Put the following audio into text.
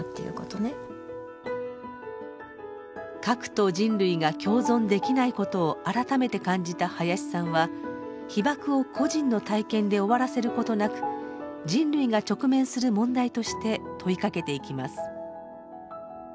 核と人類が共存できない事を改めて感じた林さんは被爆を個人の体験で終わらせる事なく人類が直面する問題として問いかけていきます。